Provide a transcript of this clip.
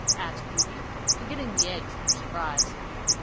asked Judy, forgetting the eggs in her surprise.